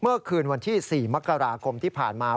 เมื่อคืนวันที่๔มกราคมที่ผ่านมา